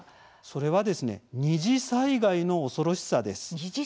それは二次災害の恐ろしさです。